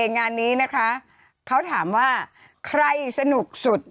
งานนี้นะคะเขาถามว่าใครสนุกสุด